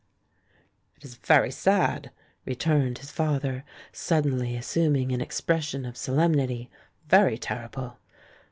"It is very sad," returned his father, suddenly assuming an expression of solemnity, "very ter rible.